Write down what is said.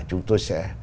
chúng tôi sẽ